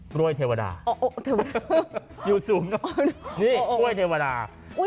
กล้วยเทวดา